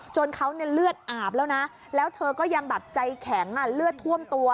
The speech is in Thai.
จนเขาเลือดอาบแล้วนะแล้วเธอก็ยังใจแข็งเลือดท่วมตัว